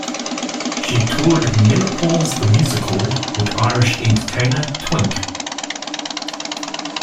She toured "Menopause the Musical" with Irish entertainer Twink.